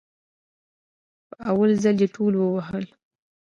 په اول ځل يي ټول ووهل